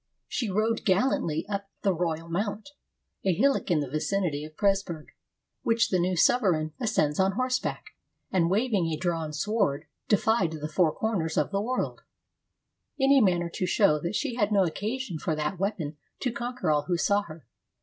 She rode gallantly up the Royal Mount, a hill ock in the vicinity of Presburg, which the new sovereign ascends on horseback, and waving a drawn sword, de fied the four corners of the world, in a manner to show that she had no occasion for that weapon to conquer all who saw her.